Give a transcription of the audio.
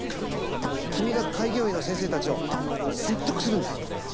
君が開業医の先生たちを説得するんだ。